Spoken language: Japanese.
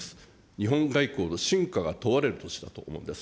日本外交の真価が問われる年だと思うんです。